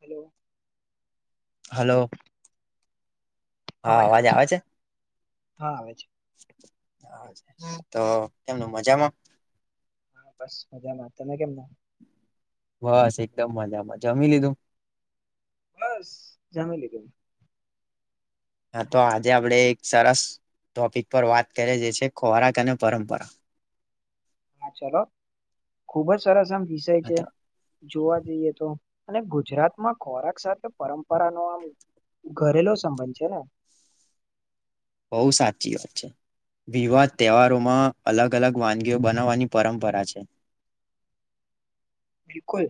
Hello hello હા અવાજ આવે છે. હા આવે છે. તો કેમનું મજામાં? હા બસ મજામાં તને કેમનું? બસ એકદમ મજામાં જમી લીધું? બસ જમી લીધું. હા તો આજે આપડે એક સરસ ટોપિક પર વાત કરે જે છે ખોરાક અને પરંપરા હા ચલો ખુબ જ સરસ આમ વિષય હા, છે તો જોવા જઈએ તો. અને ગુજરાત માં ખોરાક સાથે પરંપરા ન આમ ઘરેલો સંબંધ છે ને બઉ સાચી વાત છે વિવાદ તહેવારોમાં અલગ અલગ વાનગીઓ બનાવવાની પરંપરા છે [unintelligible] બિલકુલ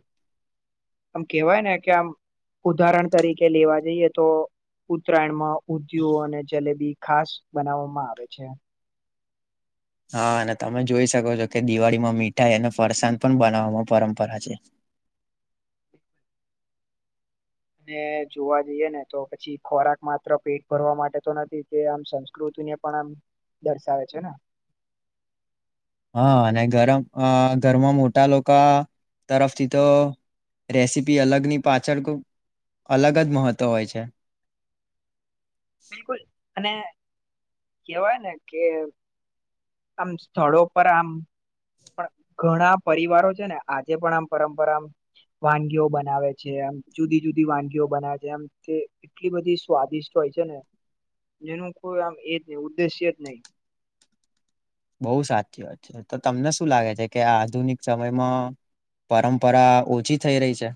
આમ કેવાય ને કે આમ ઉદાહરણ તરીકે લેવા જઈએ તો ઉત્તરાયણમાં ઉદીિયો અને જલેબી ખાસ બનાવવામાં આવે છે હા અને તમે જોઈ શકો છો કે દિવાળીમાં મીઠાઈ અને ફરસાણ પણ બનાવવાવામાં પરંપરા છે [unintelligible] અને જોવા જઈએ ને તો પછી ખોરાક માત્ર પેટ ભરવા માટે તો નથી તે આમ સંસ્કૃત પણ આમ દર્શાવે છે ને [inaudible] હા અને ગરમ અ ઘરમાં મોટા લોકા તરફથી તો રેસીપી અલગની પાછળ અલગ જ મહત્ત્વ હોય છે બિલકુલ અને કેવાય ને કે આમ સ્થળો પર આમ પણ ઘણા પરિવારો છે ને આજે પણ આમ પરંપરા વાનગીઓ બનાવે છે એમ જુદી જુદી વાનગીઓ બનાવે છે એમ તે એટલી બધી સ્વાદિષ્ટ હોય છે ને જેનું કોઈ આમ એ જ નહી ઉદ્દેશ્ય જ નહી બોઉ સાચી વાત છે ત તો તમને શું લાગે છે કે આધુનિક સમયમાં પરંપરા ઓછી થઈ રહી છે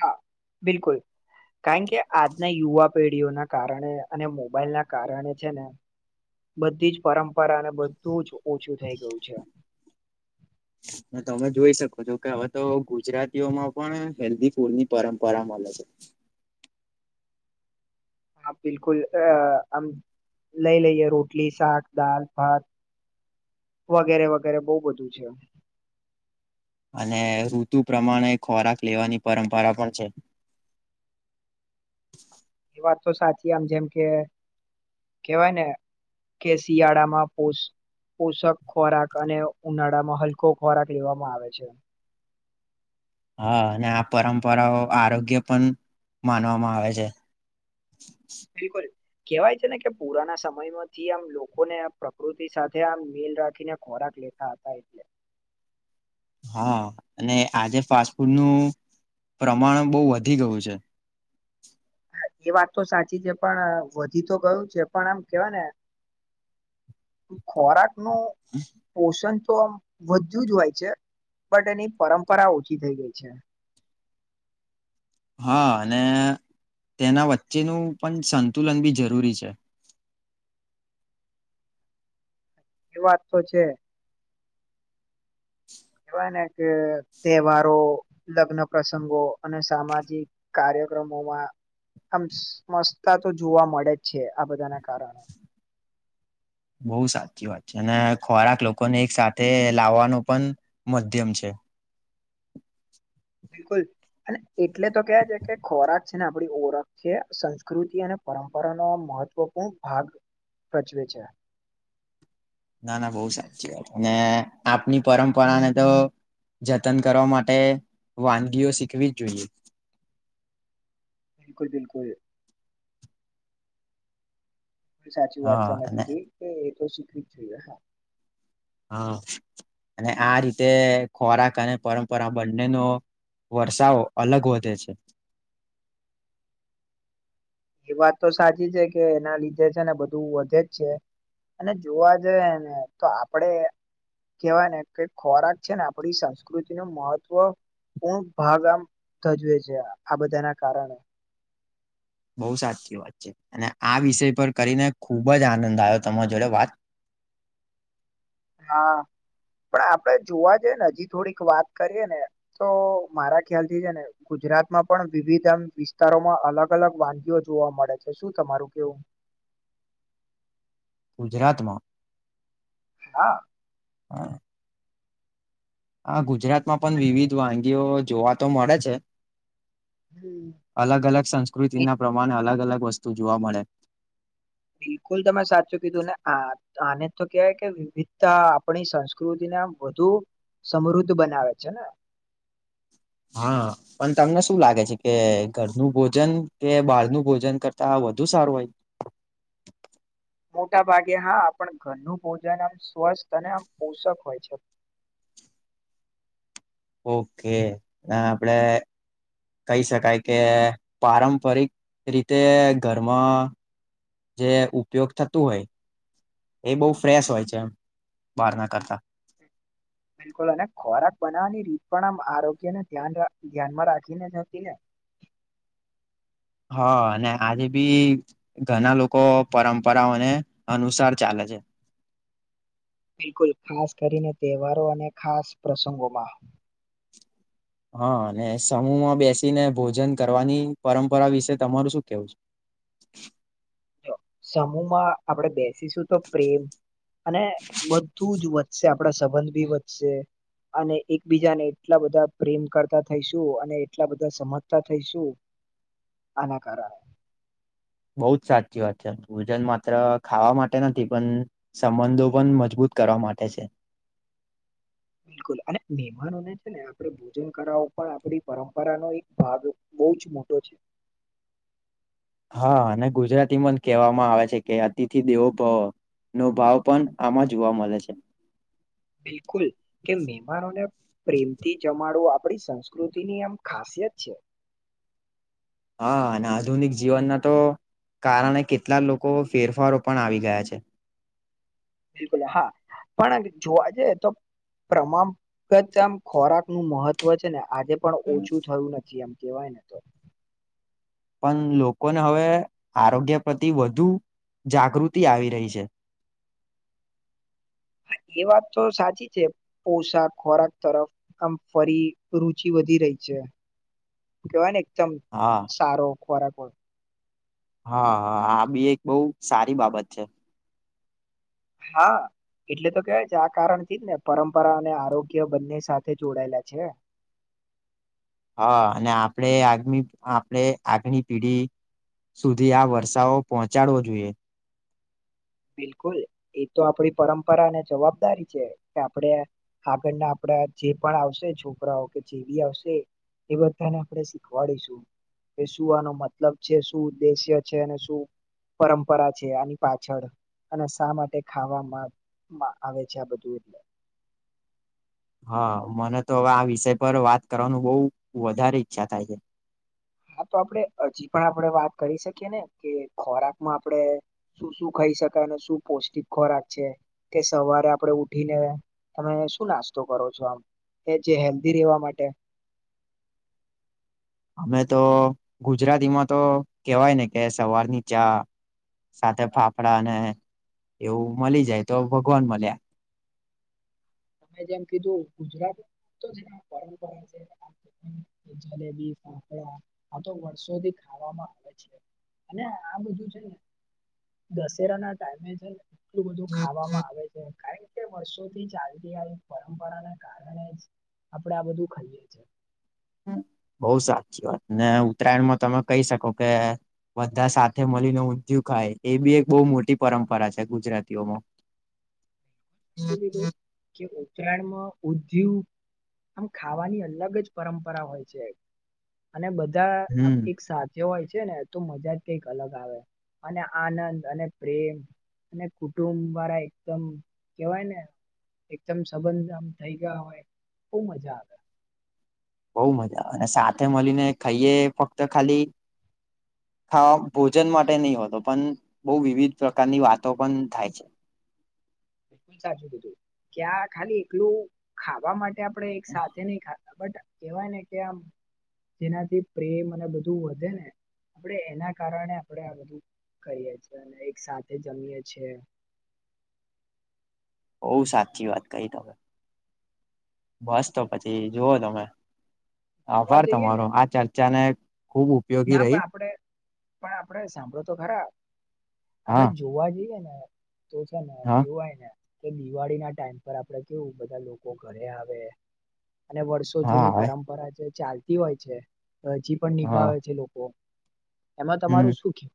હા બિલકુલ કારણ કે આજના યુવા પેઢીઓના કારણે અને મોબાઈલ ના કારણે છે ને બધી જ પરંપરાને બધું જ ઓછું થઈ ગયું છે તમે જોઈ શકો છો કે હવે તો ગુજરાતીઓમાં પણ હેલ્ધી ફૂડ ની પરંપરા મલે છે [inaudible] હા બિલકુલ અ આમ લઈ લઈએ રોટલી શાક દાલ ભાત વગેરે વગેરે બો બધું છે અને ઋતુ પ્રમાણે ખોરાક લેવાની પરંપરા પણ છે [inaudible] એ વાત તો સાચી આમ જેમ કે કેવાય ને કે શિયાળામાં પોસ પોષક ખોરાક અને ઉનાળામાં હલકો ખોરાક લેવામાં આવે છે હા અને આ પરંપરાઓ આરોગ્ય પન માનવામાં આવે છે બિલકુલ કેવાય છે ને કે પુરાના સમય માંથી આમ લોકોને પ્રકૃતિ સાથે આમ મેલ રાખીને ખોરાક લે બેઠા હતા એટલે હા અને આજે ફાસ્ટ ફૂડ નું પ્રમાણ બો વધી ગયું છે હા એ વાત તો સાચી છે પણ વધી તો ગયું છે પણ આમ કેવાય ને ખોરાક નું પોષણ તો આમ [unintelligible] હોય છે બટ એની પરંપરા ઓછી થઈ ગઈ છે [inaudible] હા અને તેના વચ્ચેનું પન સંતુલન ભી જરૂરી છે એ વાત તો છે [inaudible] કેવાય ને કે તહેવારો લગ્ન પ્રસંગો અને સામાજિક કાર્ય કાર્યક્રમોમાં આમ સમસ્તા તો જોવા મળે જ છે આ બધાના કારણે બોઉ સાચી વાત છે અને ખોરાક લોકોને એક સાથે લાવવાનો પન મધ્યમ છે. [inaudible] બિલકુલ એટલે તો છે કે ખોરાક છે ને આપણી ઓળખ છે સંસ્કૃતિ અને પરંપરાનો મહત્વપૂર્ણ ભાગ ભજવે છે. ના ના બોઉ સાચી વાત અને આપની પરંપરાને તો જતન કરવા માટે વાનગીઓ શીખવી જ જોઈએ. બિલકુલ બિલકુલ. એ સાચી વાત હા તમે અને કીધી કે એ તો શીખવી જ જોઈએ હા. હા અને આ રીતે ખોરાક અને પરંપરા બંને નો વરસાવ અલગ વધે છે. એ વાત તો સાચી છે કે એના લીધે છે ને બધું વધે જ છે. અને જોવા જઈએ ને તો આપડે કેવાય ને કે ખોરાક છે ને આપડી સંસ્કૃતિ નું મહત્વ પૂર્ણ ભાગ આમ ધજવે છે આ બધાના કારણે બહુ સાચી વાત છે અને આ વિષય પર કરીને ખુબ જ આનંદ આવ્યો તમારા જોડે વાત હાં. પણ આપડે જોવા જઈએ ને અજી થોડીક વાત કરીએ ને તો મારા ખ્યાલ થી છે ને ગુજ રાતમાં પણ વિવિધ આમ વિસ્તારોમાં અલગ અલગ વાનગીઓ જોવા મળે છે શું તમારું કેવું? ગુજરાતમાં હા. હા હા ગુજરાતમાં પન અને વિવિધ વાનગીઓ જોવા તો મળે છે. હમ અલગ અલગ એ સંસ્કૃતિના પ્રમાને અલગ અલગ વસ્તુ જોવા મળે. બિલકુલ તમે સાચું કીધું ને આ આને તો કેવાય કે વિવિધતા આપણી સંસ્કૃતિને વધુ સમૃદ્ધ બનાવે છે ને! હા પન તમને શું લાગે છે કે ઘરનું ભોજન કે બહાર ન ભોજન કરતા વધુ સારું હોય? મોટા ભાગે હા પણ ઘરનું ભોજન આમ સ્વસ્થ અને આમ પોષક હોય છે. ઓ કે ને આપડે કઈ શકાય કે પારંપરિક રીતે ઘરમાં જે ઉપયોગ થતું હોય એ બઉ ફ્રેશ હોય છે બાર ના કરતા બિલકુલ અને ખોરાક બનાવવાની રીત પણ આમ આરોગ્યને ધ્યાન રા ધ્યાનમાં રાખીને જ હતી ને હા અને આજે બી ઘના લોકો પરંપરાઓને અનુસાર ચાલે છે. તેહવારો અને ખાસ પ્રસંગોમાં હં અને સમૂહમાં બેસીને ભોજન કરવાની પરંપરા વિશે તમારું શું કેવું છે? જો સમૂહમાં આપડે બે સીશુ તો પ્રેમ અને બધું જ વધશે આપણા સંબંધ બી વધશે. અને એકબીજાને એટલા બધા પ્રેમ કરતા થઈશું અને એટલા બધા સમજતા થઈશું. આને કારણે બઉ જ સાચી વાત છે ભોજન માત્ર ખાવા માટે નથી પન સંબંધો પન મજબૂત કરવા માટે છે. બિલકુલ અને મહેમાનોને છે ને આપણે ભોજન કરાવો પણ આપડી પરંપરાનો એક ભાગ બોઉ જ મોટો છે. હા અને ગુજરાતીમાં જ કેહવામાં આવે છે કે અતિથિ દેવો ભવ. નો ભાવ પન આમાં જોવા મલે છે. બિલકુલ કે મહેમાનોને પ્રેમથી જમાડવો આપ પડી સંસ્કૃતિની આમ ખાસિયત છે. હા અને આધુનિક જીવનના તો કારણે કેટલા લોકો ફેરફારો પણ આવી ગયા છે. બિલકુલ હા પણ જોવા જયે તો પ્રમામ કતો આમ ખોરાકનું મહત્વ છે ને આજે પણ ઓછું થયું નથી એમ કેવાય ને તો પન લોકોને હવે આરોગ્ય પ્રતિ વધુ જાગૃતિ આવી રહી છે. એ વાત તો સાચી છે પોશાક ખોરાક તરફ આમ ફરી રુચિ વધી રહી છે. કે કેવાય ને એકદમ હા સારો ખોરાક હોય. હાં આ બી એક બઉ સારી બાબત છે. હા. એટલે તો કેવાય છે આ કારણ થી જ ને પરંપરા અને આરોગ્ય બંને સાથે જોડાયેલા છે. હા અને આપડે આગમી આપડે આગની પેઢી સુધી આ વર્ષાઓ પહોંચાડવો જોઈએ. બિલકુલ એતો આપડી પરંપરા ને જવાબદારી છે કે આપડે આપનના આપડા જે પણ આવશે છોકરાઓ કે જેવી આવશે એ બધાને આપડે શીખવાડીશું. કે શું આનો મતલબ છે શું ઉદ્દેશ્ય છે અને શું પરંપરા છે આની પાછળ. અને શા માટે ખાવામાં માં આવે છે આ બધું એટલે. હા મને તો હવે આ વિષય પર વાત કરવાનું બઉ વધારે ઈચ્છા થાય છે. હા તો આપડે હજી પણ આપડે વાત કરી શકીએ ને કે ખોરાક માં આપડે શું શું ક કરી શકાય અને શું પૌષ્ટિક ખોરાક છે કે સવારે આપડે ઉઠીને તમે શું નાસ્તો કરો છો આમ કે જે હેલ્ધી રહેેવા માટે. [inaudible] અમે તો ગુજરાતીમાં તો કેવાય ને કે સવાર ની ચા સાથે ફાફડા અને એવું મલી જાય તો ભગવાન મળ્યા. તમે જેમ કીધું ગુજરાત તો જે પરંપરા છે જલેબી ફાફડા આ તો વર્ષોથી ખાવામાં આવે છે અને આ બધું છે ને દશેરા ના ટાઈમે છે ને એટલું બધું ખાવામાં આવે છે કારણ કે વર્ષોથી ચાલ ચાલતી આઈ પરંપરાને કારણે જ આપડે આ બધું ખાઈએ છે. હમ્મ બઉ સાચી વાત ને ઉત્તરાયણમાં તમે કહી શકો કે બધા સાથે મળીને ઊંધયું ખાય એ બી એક બઉ મોટી પરંપરા છે ગુજરાતીઓમાં. [inaudible] શું કીધું કે ઉત્તરાયણમાં ઉધ્યું આમ ખાવાની અલગ જ પરંપરા હોય છે અને બધ્ ધા આમ હમ એક સાથે હોય છે. છે ને તો મજા જ કઈક અલગ આવે અને આનંદ અને પ્રેમ ને કુટુંબ વારા એકદમ કેવાય ને એકદમ સંબંધ આમ થઇ ગયા હોય બઉ મજા આવે. બઉ મજા આવે ને સાથે મલીને ખઈએ ફક્ત ખાલી હા ભોજન માટે નઈ હોતો પણ બઉ વિવિધ પ્રકારની વાતો પન થાય છે. સાચું કીધું ક્યા ખાલી એકલું ખાવા માટ્ ટે આપડે એક સાથે નહી ખાતા બટ કહેવાય ને કે આમ જેનાથી પ્રેમ અને બધું વધે ને આપડે એના કારણે આપડે આ બધું કરીએ છે અને એક સાથે જમીએ છે. [inaudible] બઉ સાચી વાત કઈ તમે. બસ તો પછી જુઓ તમે જોવા આભાર જઈએ ને તમારો આ ચર્ચા ને ના પણ આપડે પણ આપડે સાંભળો તો ખરા. આપડે હા જોવા જઈએ ને તો છે ને હા કેવાય ને કે દિવાળી ના ટાઈમ પર આપડે કેવું બધા લોકો ઘરે આવે અને વર્ષો હા જૂની હવે પરંપરા જે ચાલતી હોય છે હજી પણ હા નિભાવે છે એમાં હમ તમારું શું કે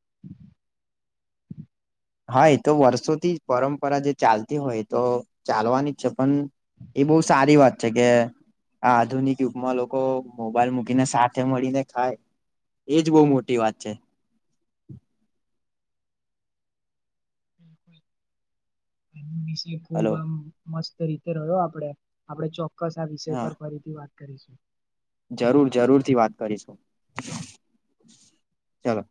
હા તો વર્ષોથી જ પરંપરા જે ચાલતી હોય તો ચાલવાની જ છે પણ એ બહુ સારી વાત છે કે આધુનિક યુગમાં લોકો મોબાઈલ મૂકીને સાથે મળીને ખાય એજ બહુ મોટી વાત છે ખૂબ હલો આ મસ્ત રીતે રહ્યો આપણેે આપણે ચોક્કસ આ વિષય હા પર ફરીથી વાત કરીશું જરૂર જરૂર થી વાત કરીશું ચાલો